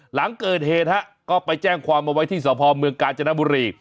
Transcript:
หลังเกิดเหตุฮะก็ไปแจ้งความเอาไว้ที่สพเมืองกาญจนบุรี